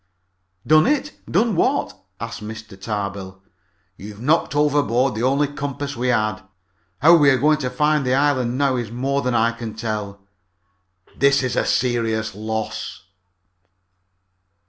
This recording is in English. "Done it? Done what?" asked Mr. Tarbill. "You've knocked overboard the only compass we had! How we're going to find the island now is more than I can tell! This is a serious loss."